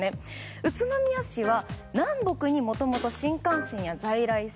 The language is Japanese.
宇都宮市は、南北にもともと新幹線や在来線。